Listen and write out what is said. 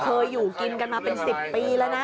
เคยอยู่กินกันมาเป็น๑๐ปีแล้วนะ